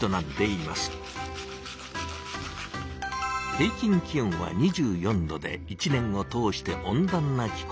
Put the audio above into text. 平きん気温は２４℃で１年を通して温暖な気候です。